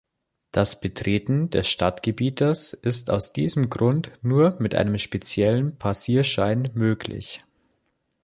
Das Betreten des Stadtgebietes ist aus diesem Grund nur mit einem speziellen Passierschein möglich.